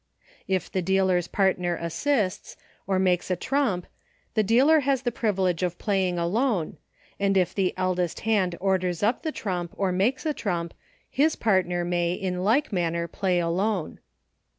If the dealer's partner assists, or makes a trump, the dealer has the privilege of Playing Alone, and if the eldest hand orders up the trump, or makes a trump, his partner may, in like manner, Play Alone.